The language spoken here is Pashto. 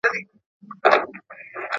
دا اوبه له هغه روښانه دي!.